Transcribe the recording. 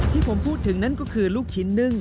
ที่ผมพูดถึงนั่นก็คือลูกชิ้นนึ่ง